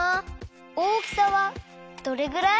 大きさはどれぐらい？